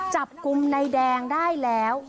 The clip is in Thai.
จับกลุ่มนายแดงได้แล้ว